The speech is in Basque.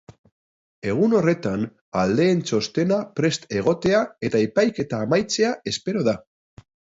Egun horretan, aldeen txostena prest egotea eta epaiketa amaitzea espero da.